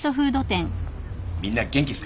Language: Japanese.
みんな元気ですか？